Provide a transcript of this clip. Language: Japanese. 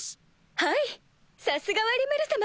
はいさすがはリムル様！